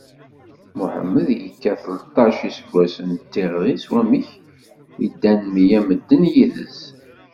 Muḥemmed yekka tleṭṭac iseggasen d tiɣri s wamek ddan mya n medden yid-s.